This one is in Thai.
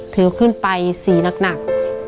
ถือขึ้นไป๔นัก